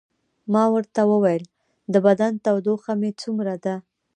ما ورته وویل: د بدن تودوخه مې څومره ده؟